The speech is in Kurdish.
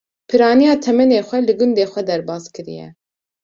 Pirraniya temenê xwe li gundê xwe derbaskiriye.